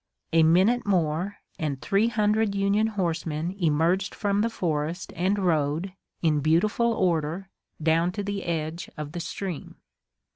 A minute more, and three hundred Union horsemen emerged from the forest and rode, in beautiful order, down to the edge of the stream.